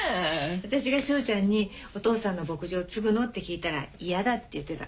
私が翔ちゃんに「お父さんの牧場継ぐの？」って聞いたら「嫌だ」って言ってた。